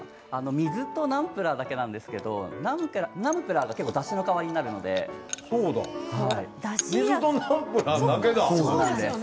水とナムプラーだけなんですけれどナムプラーが、だしの代わりに水とナムプラーだけだ。